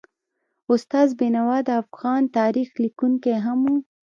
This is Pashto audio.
استاد بینوا د افغان تاریخ لیکونکی هم و.